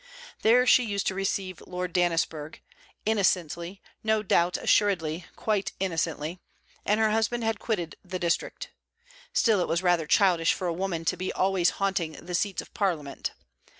There she used to receive Lord Dannisburgh; innocently, no doubt assuredly quite innocently; and her husband had quitted the district. Still it was rather childish for a woman to be always haunting the seats of Parliament.